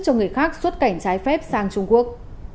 cho người khác xuất cảnh trái phép sang trung quốc